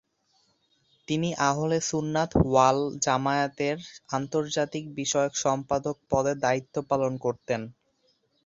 তিনি আহলে সুন্নাত ওয়াল জামায়াতের আন্তর্জাতিক বিষয়ক সম্পাদক পদে দায়িত্ব পালন করতেন।